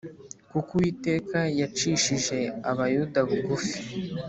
kuko Uwiteka yacishije Abayuda bugufi